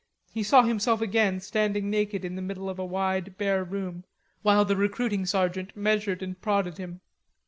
He saw himself again standing naked in the middle of a wide, bare room, while the recruiting sergeant measured and prodded him.